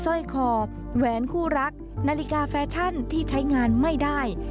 จึงตรวจสอบของในกล่องพบว่ามีสร้อยคอแหวนคู่รักนาฬิกาแฟชั่นที่ใช้งานไม่ได้